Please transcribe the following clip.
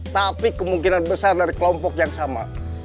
tapi kemungkinan besar dari kelompok yang sama